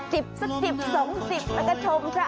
จิบสะจิบส่งจิบแล้วก็ชมค่ะ